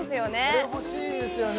これ欲しいですよね